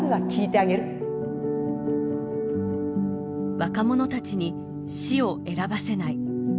若者たちに死を選ばせない。